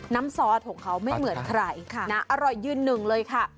ซอสของเขาไม่เหมือนใครอร่อยยืนหนึ่งเลยค่ะ